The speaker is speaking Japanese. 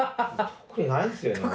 特にないんですよね。